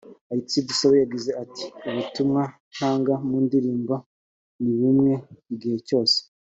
Alexis Dusabe yagize ati’’ Ubutumwa ntanga mu ndirimbo ni bumwe igihe cyose